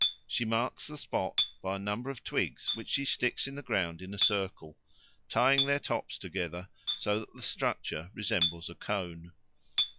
She marks the spot by a number of twigs which she sticks in the ground in a circle, tying their tops together so that the structure resembles a cone.